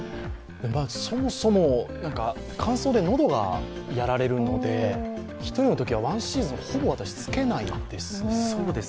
そもそも乾燥で喉がやられるので１人のときは１シーズン、私、ほぼつけないです。